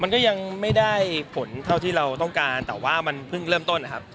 มันก็ยังไม่ได้ผลเท่าที่เราต้องการแต่ว่ามันเพิ่งเริ่มต้นนะครับ